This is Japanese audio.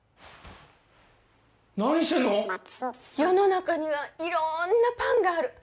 何してんの⁉世の中にはいろんなパンがある。